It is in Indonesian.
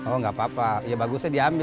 oh nggak apa apa ya bagusnya diambil